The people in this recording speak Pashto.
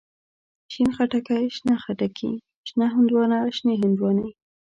شين خټکی، شنه خټکي، شنه هندواڼه، شنې هندواڼی.